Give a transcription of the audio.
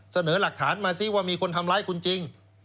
เสนอหลักฐานมาซิว่ามีคนทำร้ายคุณจริง